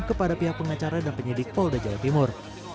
kepada pihak pengacara dan penyidik polda jawa timur